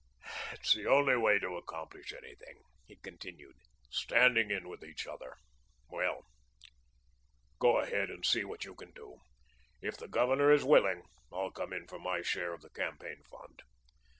"It's the only way to accomplish anything," he continued, "standing in with each other... well,... go ahead and see what you can do. If the Governor is willing, I'll come in for my share of the campaign fund."